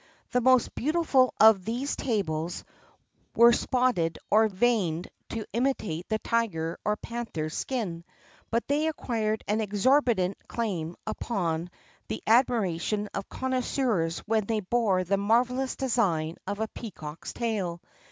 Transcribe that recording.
[XXXII 14] The most beautiful of these tables were spotted or veined to imitate the tiger's or panther's skin; but they acquired an exorbitant claim upon the admiration of connoisseurs when they bore the marvellous design of a peacock's tail.